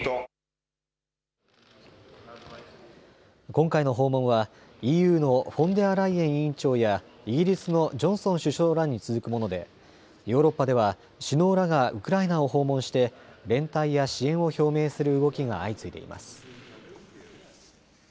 今回の訪問はＥＵのフォンデアライエン委員長やイギリスのジョンソン首相らに続くものでヨーロッパでは首脳らがウクライナを訪問して連帯や支援を表明する動きが相次いでいます。